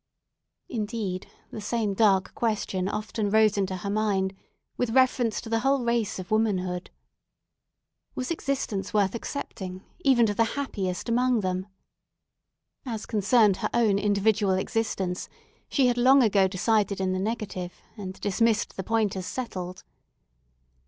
Indeed, the same dark question often rose into her mind with reference to the whole race of womanhood. Was existence worth accepting even to the happiest among them? As concerned her own individual existence, she had long ago decided in the negative, and dismissed the point as settled.